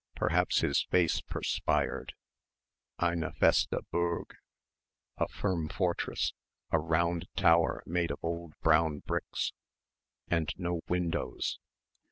Perhaps his face perspired ... Eine feste Burg; a firm fortress ... a round tower made of old brown bricks and no windows....